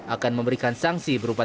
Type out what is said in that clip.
akan memberikan sanksi berupa